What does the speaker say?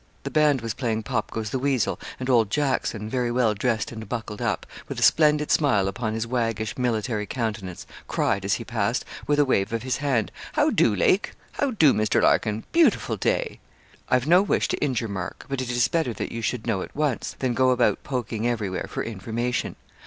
The band was playing 'Pop goes the weasel,' and old Jackson, very well dressed and buckled up, with a splendid smile upon his waggish, military countenance, cried, as he passed, with a wave of his hand, 'How do, Lake how do, Mr. Larkin beautiful day!' 'I've no wish to injure Mark; but it is better that you should know at once, than go about poking everywhere for information.'